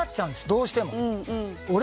どうしても。